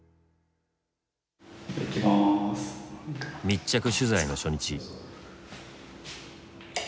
密着取材の初日。